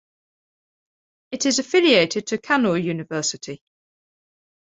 It is affiliated to Kannur University.